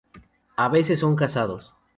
A veces son cazados.